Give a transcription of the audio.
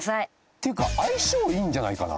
っていうか相性いいんじゃないかな？